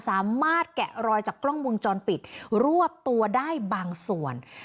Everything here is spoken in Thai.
สามารถแกะรอยจากกล้องมือจอนปิดรวบตัวได้บางส่วน